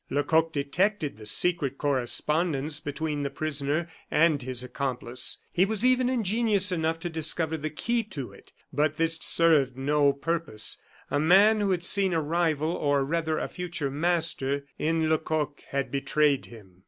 Lecoq detected the secret correspondence between the prisoner and his accomplice. He was even ingenious enough to discover the key to it, but this served no purpose. A man, who had seen a rival, or rather, a future master, in Lecoq had betrayed him.